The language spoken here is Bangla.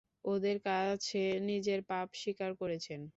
ওদের কাছে নিজের পাপ স্বীকার করেছেন।